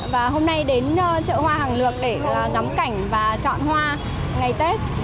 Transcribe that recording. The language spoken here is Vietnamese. và hôm nay đến chợ hoa hàng lược để ngắm cảnh và chọn hoa ngày tết